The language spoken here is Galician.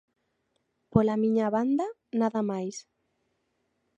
Pola miña banda, nada máis.